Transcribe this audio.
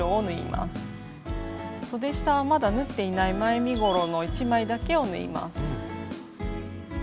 そで下はまだ縫っていない前身ごろの１枚だけを縫います。